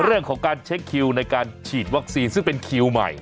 เรื่องของการเช็คคิวในการฉีดวัคซีนซึ่งเป็นคิวใหม่